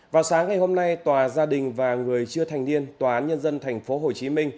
vào sáng ngày hôm nay tòa gia đình và người chưa thành niên tòa án nhân dân tp hcm